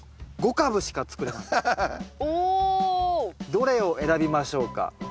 どれを選びましょうか？